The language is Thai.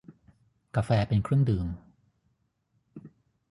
กาแฟเป็นเครื่องดื่ม